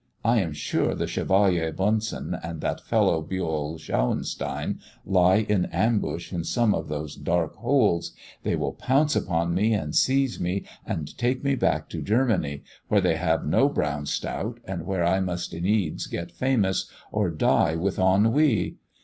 I am sure the Chevalier Bunsen and that fellow Buol Schauenstein lie in ambush in some of those dark holes; they will pounce upon me, and seize me, and take me back to Germany, where they have no brown stout, and where I must needs get famous, or die with ennui.